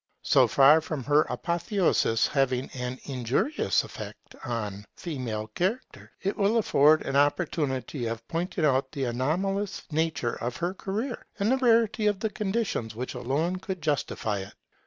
So far from her apotheosis having an injurious effect on female character, it will afford an opportunity of pointing out the anomalous nature of her career, and the rarity of the conditions which alone could justify it.